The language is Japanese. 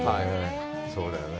そうだよね。